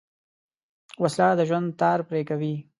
وسله د ژوند تار پرې کوي